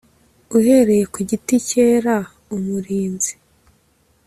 uhereye ku giti cyera umurinzi